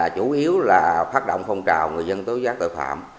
chủ yếu là phát động phong trào người dân tối giác tội phạm